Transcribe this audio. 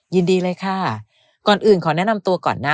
ยินดีเลยค่ะก่อนอื่นขอแนะนำตัวก่อนนะ